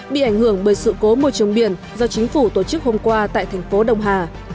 bị ảnh hưởng bởi sự cố môi trường biển do chính phủ tổ chức hôm qua tại thành phố đông hà